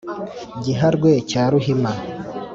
Giharwe cya Ruhima